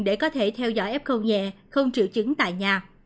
để có thể theo dõi f khâu nhẹ không triệu chứng tại nhà